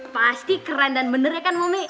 pasti keren dan bener ya kan mumi